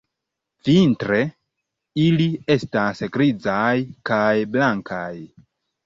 Vintre, ili estas grizaj kaj blankaj.